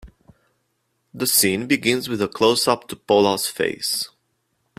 The scene begins with a closeup to Paula's face.